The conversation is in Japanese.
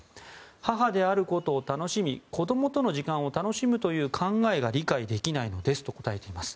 母であることを楽しみ子供との時間を楽しむという考えが理解できないのですと答えています。